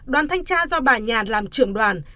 đoàn thanh tra do bà nhàn làm trưởng đoàn